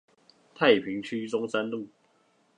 太平區中山路